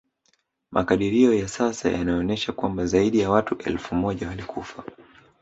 Makadirio ya sasa yanaonyesha kwamba zaidi ya watu elfu moja walikufa